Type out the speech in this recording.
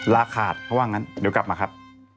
ราคาเขาว่างั้นเดี๋ยวกลับมาครับ